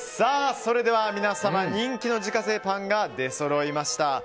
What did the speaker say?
それでは、皆様人気の自家製パンが出そろいました。